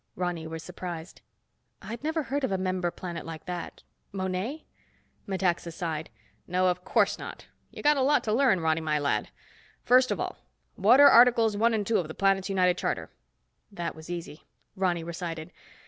Ronny was surprised. "I'd never heard of a member planet like that. Monet?" Metaxa sighed. "No, of course not. You've got a lot to learn, Ronny, my lad. First of all, what're Articles One and Two of the United Planets Charter?" That was easy. Ronny recited.